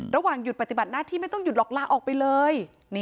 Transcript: ระหว่างหยุดปฏิบัติหน้าที่ไม่ต้องหยุดหรอกลาออกไปเลย